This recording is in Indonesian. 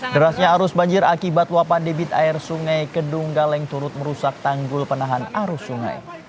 derasnya arus banjir akibat luapan debit air sungai kedunggaleng turut merusak tanggul penahan arus sungai